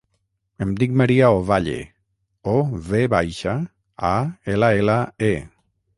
Em dic Maria Ovalle: o, ve baixa, a, ela, ela, e.